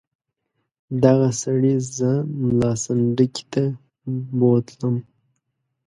دغه سړي زه ملا سنډکي ته بوتلم.